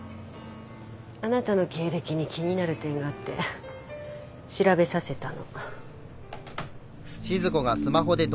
あなたの経歴に気になる点があって調べさせたの。